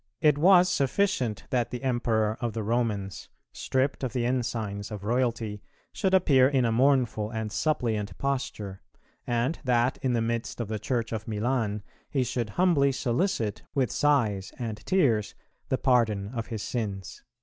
"It was sufficient that the Emperor of the Romans, stripped of the ensigns of royalty, should appear in a mournful and suppliant posture, and that, in the midst of the Church of Milan, he should humbly solicit with sighs and tears the pardon of his sins."